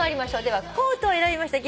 では「コート」を選びました